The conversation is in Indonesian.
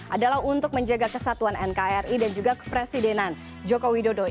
adalah untuk menjaga kesatuan nkri dan juga kepresidenan joko widodo